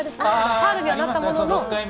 ファウルにはなったものの。